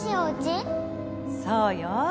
そうよ。